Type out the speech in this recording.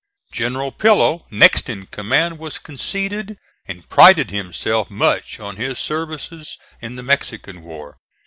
General Pillow, next in command, was conceited, and prided himself much on his services in the Mexican war.